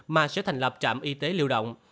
mà sẽ thành lập trạm y tế lưu động